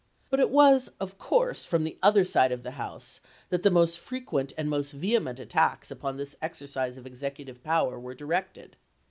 But it was, of course, from the other pp 67, 98. side of the House that the most frequent and most vehement attacks upon this exercise of Ex ecutive power were directed.